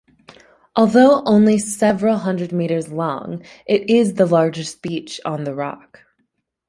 Although only several hundred metres long it is the largest beach on The Rock.